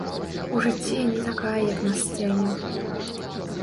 У жыцці я не такая як на сцэне.